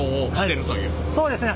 そうですね。